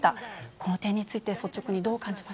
この点について率直にどう感じま